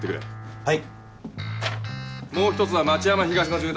はい。